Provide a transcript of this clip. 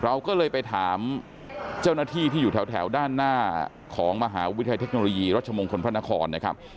เราก็เลยไปถามเจ้าหน้าที่ที่อยู่แถวด้านหน้าของมหาวิทยาลัยเทคโนโลยีรัชมงคลพระนครนะครับ